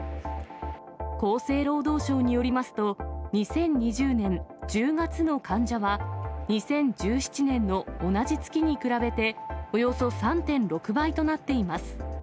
厚生労働省によりますと、２０２０年１０月の患者は２０１７年の同じ月に比べておよそ３．６倍となっています。